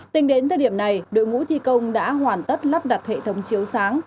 tính đến thời điểm này đội ngũ thi công đã hoàn tất lắp đặt hệ thống chiếu sáng